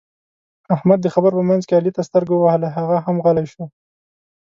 احمد د خبرو په منځ کې علي ته سترګه ووهله؛ هغه هم غلی شو.